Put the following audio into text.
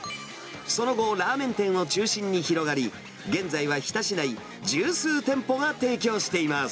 その後、ラーメン店を中心に広がり、現在は日田市内十数店舗が提供しています。